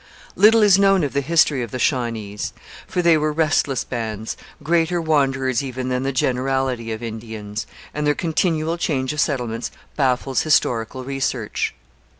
Little is known of the history of the Shawnees, for they were restless bands, greater wanderers even than the generality of Indians, and their continual change of settlement baffles historical research.